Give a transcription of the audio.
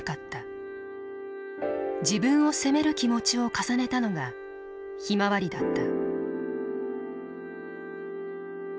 自分を責める気持ちを重ねたのがひまわりだった。